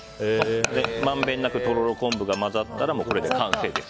まんべんなくとろろ昆布が混ざったらこれで完成です。